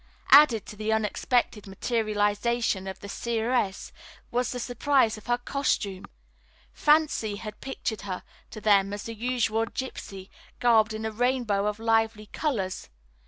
Added to the unexpected materialization of the seeress was the surprise of her costume. Fancy had pictured her to them as the usual gypsy, garbed in a rainbow of lively colors.